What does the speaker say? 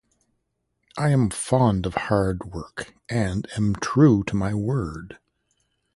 I am fond of hard work, and am true to my word.